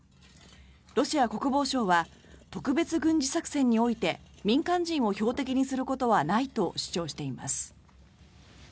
ロシア国防省は特別軍事作戦において民間人を標的にすることはないと主張しています。